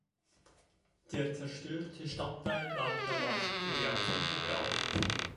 Der zerstörte Stadtteil lag danach für Jahrzehnte brach.